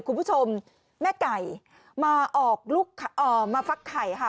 คุณผู้ชมแม่ไก่มาออกลูกมาฟักไข่ค่ะ